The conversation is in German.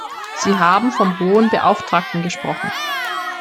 Sie haben vom Hohen Beauftragten gesprochen.